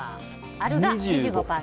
あるが２５％。